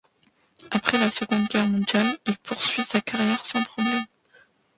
Après la Seconde Guerre mondiale, il poursuit sa carrière sans problème.